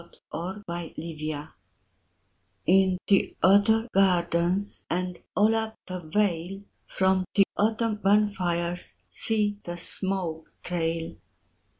VI Autumn Fires In the other gardens And all up the vale, From the autumn bonfires See the smoke trail!